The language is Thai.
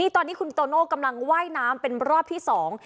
ตอนนี้คุณโตโน่กำลังว่ายน้ำเป็นรอบที่สอง